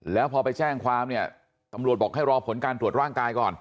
แล้วพอไปแจ้งความเนี่ยตำรวจบอกให้รอผลการตรวจร่างกายก่อน